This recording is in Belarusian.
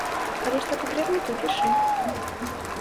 Калі што патрэбна то пішы.